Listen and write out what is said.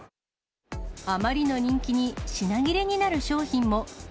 あまりの人気に、品切れになる商品も。